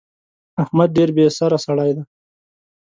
احمد ډېر بې سره سړی دی.